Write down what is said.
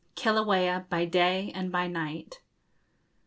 KILAUEA BY DAY AND BY NIGHT.